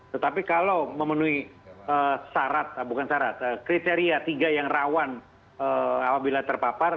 tetapi kalau memenuhi kriteria tiga yang rawan apabila terpapar